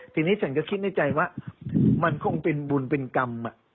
ทีนี้ฉันก็คิดในใจว่ามันคงเป็นบุญเป็นกรรม